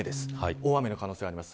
大雨の可能性があります。